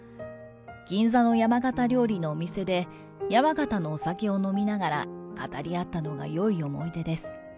銀座の山形料理のお店で、山形のお酒を飲みながら語り合ったのがよい思い出です。